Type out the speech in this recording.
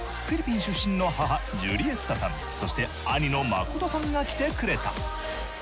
フィリピン出身の母ジュリエッタさんそして兄のマコトさんが来てくれた。